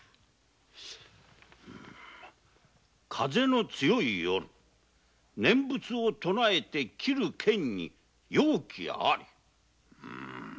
「風の強い夜念仏を唱えて切る剣に妖気あり！」